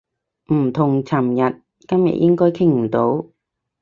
唔同尋日，今日應該傾唔到